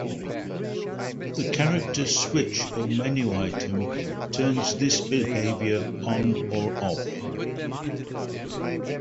The "character" switch or menu item turns this behaviour on or off.